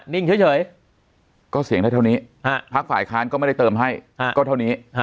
นิ่งเฉยก็เสียงได้เท่านี้พักฝ่ายค้านก็ไม่ได้เติมให้ก็เท่านี้